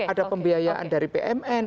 ada pembiayaan dari bumn